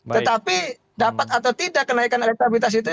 tetapi dapat atau tidak kenaikan elektabilitas itu